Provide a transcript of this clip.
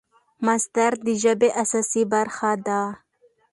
مصدر د ژبي اساسي برخه ده.